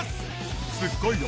すっごいよ。